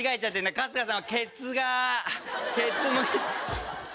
春日さん。